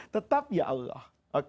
tetap ya allah